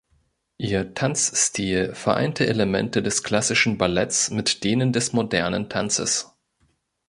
Ihr Tanzstil vereinte Elemente des klassischen Balletts mit denen des modernen Tanzes.